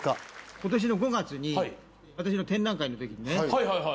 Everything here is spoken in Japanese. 今年の５月に私の展覧会のときにね